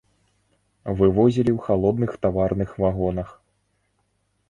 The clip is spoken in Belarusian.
Вывозілі ў халодных таварных вагонах.